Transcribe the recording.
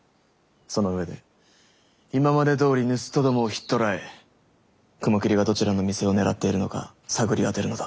その上で今までどおり盗人どもをひっ捕らえ雲霧がどちらの店を狙っているのか探り当てるのだ。